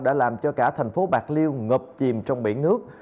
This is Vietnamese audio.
đã làm cho cả thành phố bạc liêu ngập chìm trong biển nước